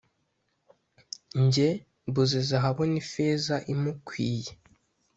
Jye mbuze zahabu n’ifeza imukwiye,